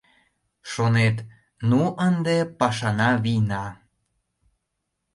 Шонет: «Ну ынде пашана вийна!»